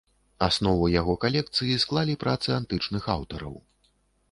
Аснову яго калекцыі склалі працы антычных аўтараў.